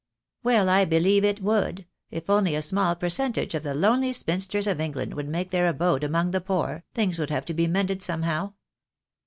"Well, I believe it would. If only a small percentage of the lonely spinsters of England would make their abode among the poor, things would have to be mended some how.